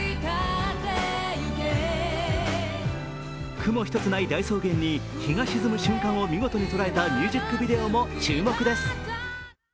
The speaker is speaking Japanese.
雲一つない大草原に日が沈む瞬間を見事に捉えたミュージックビデオも注目です。